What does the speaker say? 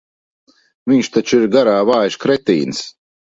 Viņš taču ir garā vājš kretīns.